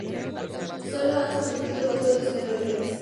Solo han sobrevivido cuatro de sus melodías.